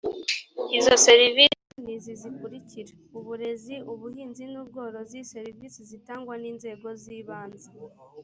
izo servisi ni izi zikurikira uburezi ubuhinzi n ubworozi serivisi zitangwa n inzego z ibanze